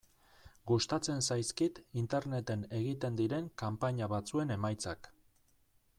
Gustatzen zaizkit Interneten egiten diren kanpaina batzuen emaitzak.